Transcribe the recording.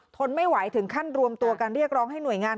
ทนไม่ไหวถึงขั้นรวมตัวกันเรียกร้องให้หน่วยงาน